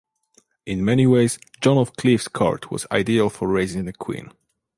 In many ways John of Cleves' court was ideal for raising a Queen.